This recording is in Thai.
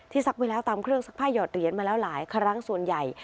ซักไว้แล้วตามเครื่องซักผ้าหยอดเหรียญมาแล้วหลายครั้งส่วนใหญ่